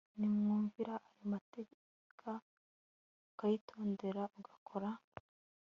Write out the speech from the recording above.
niwumvira ayo mateka ukayitondera ugakora